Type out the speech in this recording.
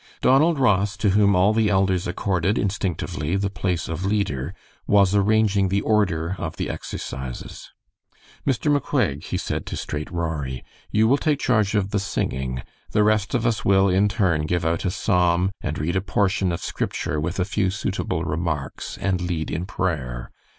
Donald Ross, to whom all the elders accorded, instinctively, the place of leader, was arranging the order of "the exercises." "Mr. McCuaig," he said to Straight Rory, "you will take charge of the singing. The rest of us will, in turn, give out a psalm and read a portion of Scripture with a few suitable remarks, and lead in prayer.